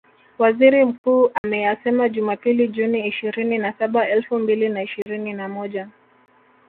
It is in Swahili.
Waziri Mkuu ameyasema Jumapili Juni ishirini na saba elfu mbili na ishirini na moja